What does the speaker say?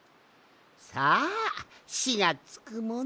さあ「し」がつくもの